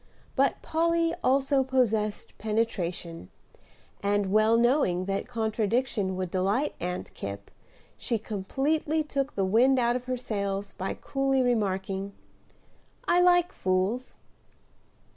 But Polly also possessed penetration; and, well knowing that contradiction would delight Aunt Kipp, she completely took the wind out of her sails, by coolly remarking, "I like fools."